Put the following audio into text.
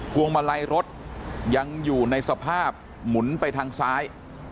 วงมาลัยรถยังอยู่ในสภาพหมุนไปทางซ้าย